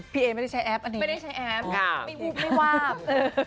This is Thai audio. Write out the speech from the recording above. พี่เอไม่ได้ใช้แอปอันนี้ไม่ได้ใช้แอปไม่วาบ